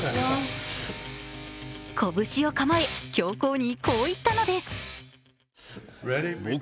拳を構え、教皇にこう言ったのです。